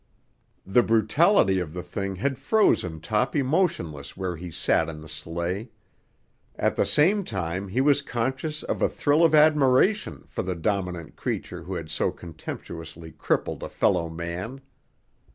The brutality of the thing had frozen Toppy motionless where he sat in the sleigh. At the same time he was conscious of a thrill of admiration for the dominant creature who had so contemptuously crippled a fellow man.